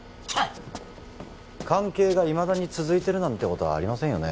関係がいまだに続いてるなんてことはありませんよね？